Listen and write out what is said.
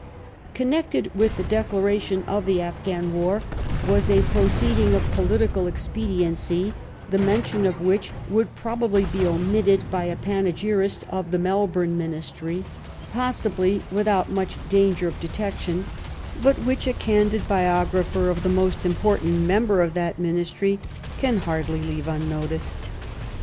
Connected with the declaration of the Afghan war was a proceeding of political expediency, the mention of which would probably be omitted by a panegyrist of the Melbourne ministry — ^possibly without much danger of detection — ^but which a candid biographer of the most important member of that ministry can hardly leave unnoticed.